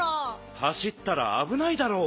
はしったらあぶないだろう。